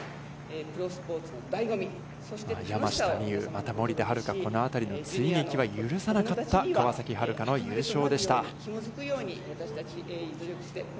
山下美夢有、また森田遥のこのあたりの追撃を許さなかった川崎春花の優勝でした。